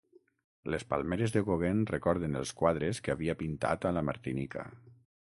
Les palmeres de Gauguin recorden els quadres que havia pintat a la Martinica.